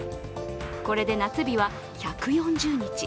これで夏日は１４０日。